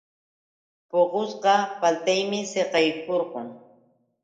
Puqushqa paltaymi saqaykurqun.